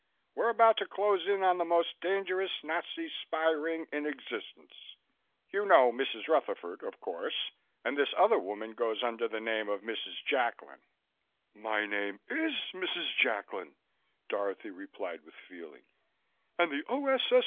We're about to close in on the most dangerous Nazi spy ring in existence. You know Mrs. Rutherford, of course, and this other woman goes under the name of Mrs. Jacklin." "My name is Mrs. Jacklin," Dorothy replied with feeling, "and the O.S.S.